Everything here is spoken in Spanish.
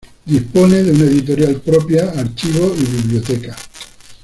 Dispone de una editorial propia, archivos y biblioteca.